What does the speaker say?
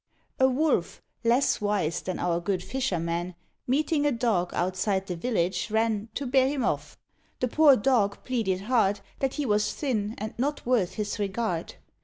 A Wolf, less wise than our good fisherman, Meeting a Dog outside the village, ran To bear him off. The poor Dog pleaded hard That he was thin, and not worth his regard.